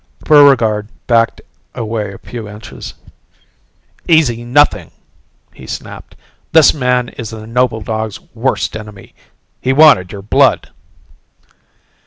Buregarde backed away a few inches. "Easy nothing," he snapped. "This man is the noble dog's worst enemy. He wanted your blood."